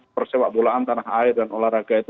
persepak bolaan tanah air dan olahraga itu